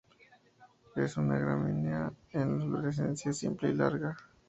Es una gramínea de inflorescencia simple y larga.